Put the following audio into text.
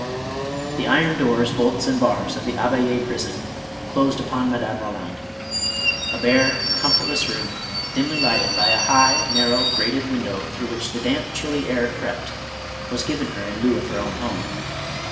The iron doors, bolts and bars of the Abbayd prison closed upon Madame Eoland. A bare, comfortless room, dimly lighted by a high, narrow, grated window through which the damp, chilly air crept, was given her in lieu of her own home.